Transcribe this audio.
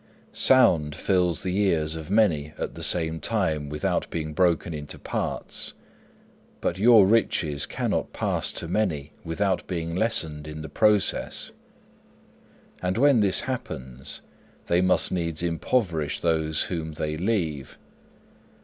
Sound fills the ears of many at the same time without being broken into parts, but your riches cannot pass to many without being lessened in the process. And when this happens, they must needs impoverish those whom they leave.